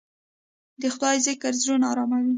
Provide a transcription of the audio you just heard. د خدای ذکر زړونه اراموي.